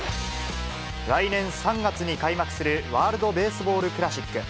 来年３月に開幕するワールドベースボールクラシック。